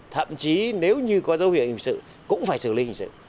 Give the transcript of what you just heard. thậm chí nếu như có dấu hiệu hình sự cũng phải xử lý hình sự